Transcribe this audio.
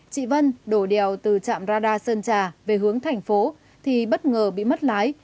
chị vân đổ đèo từ trạm radar sơn trà về hướng thành phố thì bất ngờ bị mất lái